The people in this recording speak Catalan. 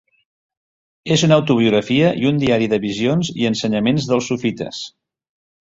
És una autobiografia i un diari de visions i ensenyaments dels sufites.